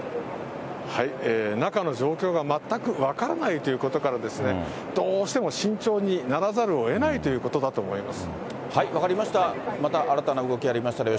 中の状況が全く分からないということから、どうしても慎重にならざるをえないということだと思います。